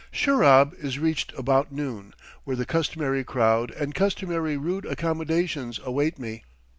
Shurab is reached about noon, where the customary crowd and customary rude accommodations await me.